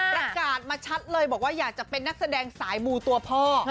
ประกาศมาชัดเลยบอกว่าอยากจะเป็นนักแสดงสายมูตัวพ่อ